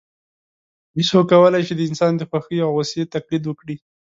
بیزو کولای شي د انسان د خوښۍ او غوسې تقلید وکړي.